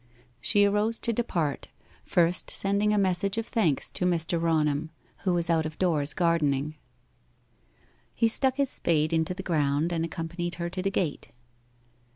She arose to depart, first sending a message of thanks to Mr. Raunham, who was out of doors gardening. He stuck his spade into the ground, and accompanied her to the gate.